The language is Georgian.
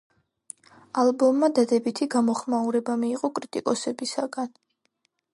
ალბომმა დადებითი გამოხმაურება მიიღო კრიტიკოსებისგან.